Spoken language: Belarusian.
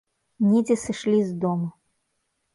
Недзе сышлі з дому.